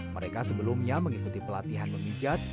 mereka sebelumnya mengikuti pelatihan memijat